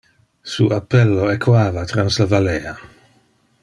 Su appello echoava trans le vallea.